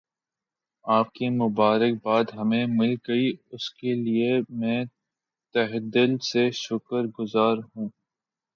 آپ کی مبارک باد ہمیں مل گئی اس کے لئے میں تہہ دل سے شکر گزار ہوں